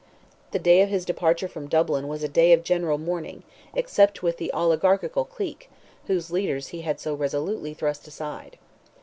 The day of his departure from Dublin was a day of general mourning, except with the oligarchical clique, whose leaders he had so resolutely thrust aside.